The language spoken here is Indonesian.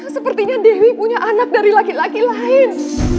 sepertinya dewi punya anak dari laki laki lain